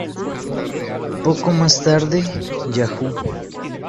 Poco más tarde, "Yahoo!